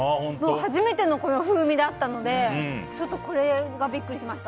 初めてのこの風味だったのでちょっとこれがビックリしました。